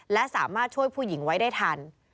และสามารถช่วยผู้หญิงไว้ได้ทัน